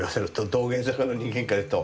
道玄坂の人間からいうと。